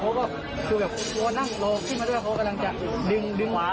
เขาก็กลัวแบบกลัวนั่งลงขึ้นมาด้วยเขากำลังจะดึงหวาให้ตาม